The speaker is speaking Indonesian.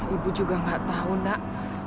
ibu juga nggak tahu nak